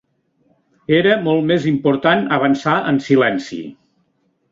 Era molt més important avançar en silenci.